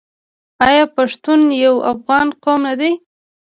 آیا پښتون یو افغان قوم نه دی؟